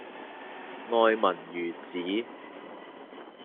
愛民如子